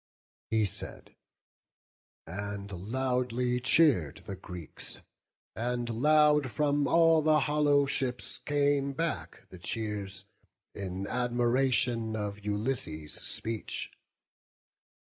He said, and loudly cheer'd the Greeks—and loud From all the hollow ships came back the cheers— In admiration of Ulysses' speech.